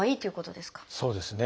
そうですね。